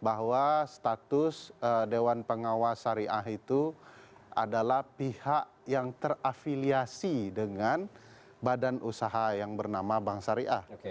bahwa status dewan pengawas syariah itu adalah pihak yang terafiliasi dengan badan usaha yang bernama bank syariah